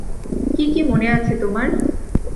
কী কী মনে আছে তোমার?